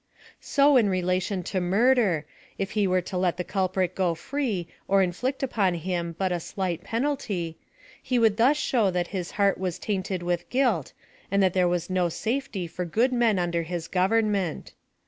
So in relation to murder, if he were to let the culprit go free, or inflict upon him but a slight penalty, he would thus show that his heart was tainted with guilt, and that there was no safety for good men under his government.